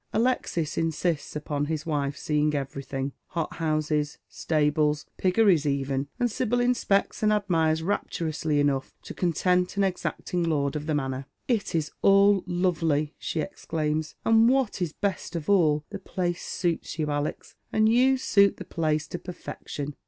Alexis insists upon his wife seeing everything — hothouses, stables, piggeries even — and Sil)yl inspects and admires rapturously enough to content an exacting lord of the manor. " It is all lovely !" she exclaims ;" and what is best of all, the jilace suits you, Alex, and you suit the place to perfection